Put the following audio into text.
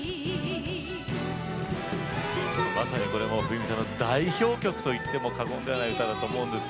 まさにこれも冬美さんの代表曲と言っても過言ではない曲だと思います。